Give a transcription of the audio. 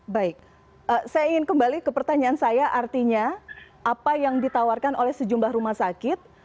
baik saya ingin kembali ke pertanyaan saya artinya apa yang ditawarkan oleh sejumlah rumah sakit